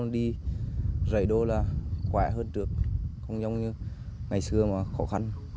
dạy đô là khỏe hơn trước không giống như ngày xưa mà khó khăn